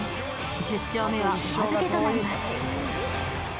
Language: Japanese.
１０勝目はお預けとなります。